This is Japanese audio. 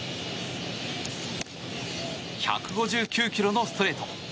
１５９キロのストレート。